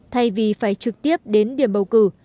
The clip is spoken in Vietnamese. thay vì phải trực tiếp đến điểm bầu cử